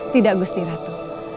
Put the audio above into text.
tidak gusti ratu